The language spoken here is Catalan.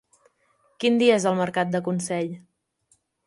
Quin dia és el mercat de Consell?